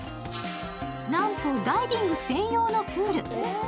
なんとダイビング専用のプール。